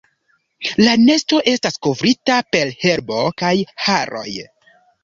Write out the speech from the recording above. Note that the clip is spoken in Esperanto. La nesto estas kovrita per herbo kaj haroj.